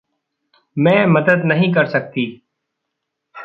मैं मदद नहीं कर सकती।